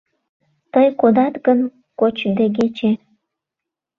Тый кодат гын кочдегече